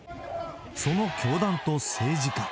その教団と政治家。